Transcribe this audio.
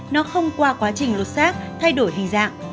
nó không qua quá trình lột xác thay đổi hình dạng